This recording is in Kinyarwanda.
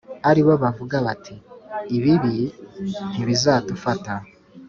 ari bo bavuga bati ‘Ibibi ntibizadufata